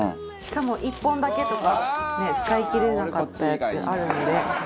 しかも１本だけとかね使い切れなかったやつあるので。